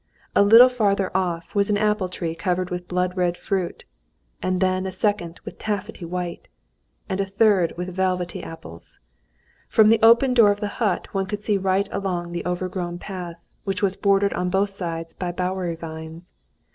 A little farther off was an apple tree covered with blood red fruit, and then a second with taffety white, and a third with velvety apples. From the open door of the hut one could see right along the overgrown path, which was bordered on both sides by bowery vines.